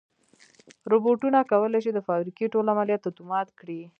روبوټونه کولی شي د فابریکې ټول عملیات اتومات کړي.